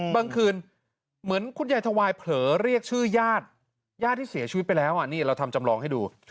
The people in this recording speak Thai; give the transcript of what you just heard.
เมื่อคืนเหมือนคุณยายทวายเผลอเรียกชื่อญาติญาติที่เสียชีวิตไปแล้วนี่เราทำจำลองให้ดู